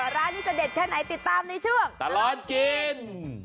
ร้านนี้จะเด็ดแค่ไหนติดตามในช่วงตลอดกิน